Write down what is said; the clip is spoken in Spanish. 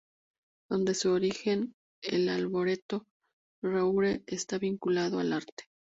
Desde su origen el Arboreto de Roure está vinculado al arte.